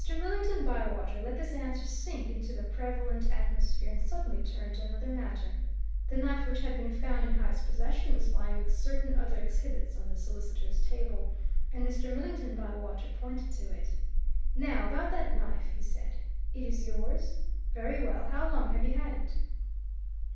Millington Bywater let this answer sink into the prevalent atmosphere and suddenly turned to another matter. The knife which had been found in Hyde's possession was lying with certain other exhibits on the solicitor's table, and Mr. Millington Bywater pointed to it. "Now about that knife," he said. "It is yours? Very well how long have you had it?"